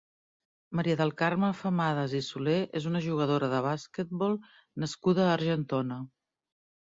Maria del Carme Famadas i Soler és una jugadora de basquetbol nascuda a Argentona.